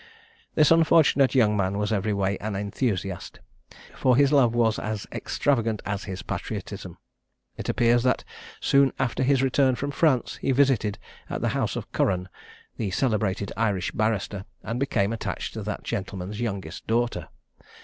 This unfortunate young man was every way an enthusiast; for his love was as extravagant as his patriotism. It appears that soon after his return from France he visited at the house of Curran, the celebrated Irish barrister, and became attached to that gentleman's youngest daughter.